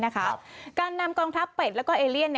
การนำกองทัพเป็ดแล้วก็เอเลียน